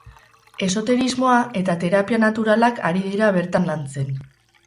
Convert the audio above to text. Esoterismoa eta terapia naturalak ari dira bertan lantzen.